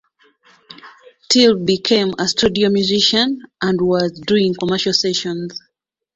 Till became a studio musician and was doing commercial sessions.